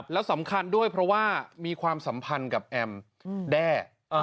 แล้วสำคัญด้วยเพราะว่ามีความสัมพันธ์กับแอมแด้